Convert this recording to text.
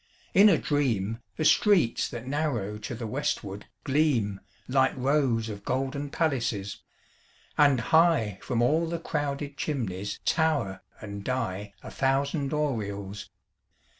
In a dream The streets that narrow to the westward gleam Like rows of golden palaces; and high From all the crowded chimneys tower and die A thousand aureoles.